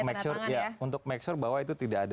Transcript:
make sure ya untuk make sure bahwa itu tidak ada